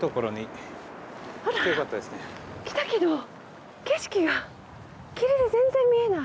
来たけど景色が霧で全然見えない。